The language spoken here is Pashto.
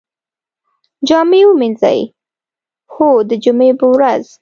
جامی ومینځئ؟ هو، د جمعې په ورځ